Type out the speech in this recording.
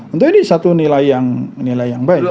untuk ini satu nilai yang baik